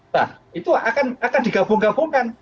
nah itu akan digabung gabungkan